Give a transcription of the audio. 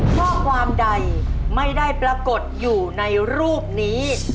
ข้อความใดไม่ได้ปรากฏอยู่ในรูปนี้